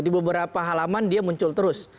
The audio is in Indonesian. di beberapa halaman dia muncul terus